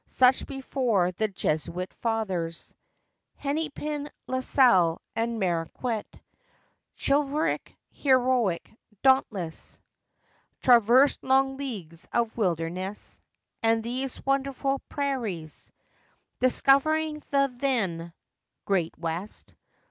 Such before the Jesuit fathers, Hennepin, La Salle, and Marquette— Chivalric, heroic, dauntless— Traversed long leagues of wilderness, And these wonderful prairies, Discovering the then " Great West."